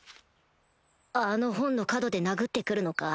あの本の角で殴って来るのか？